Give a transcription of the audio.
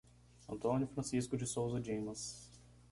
Antônio Francisco de Sousa Dimas